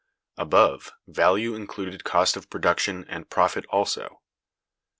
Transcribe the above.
Above, value included cost of production and profit also.